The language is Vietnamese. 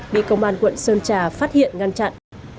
bị công an quận sơn trà phát hiện ngăn chặn